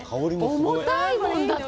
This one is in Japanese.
重たいもん、だって。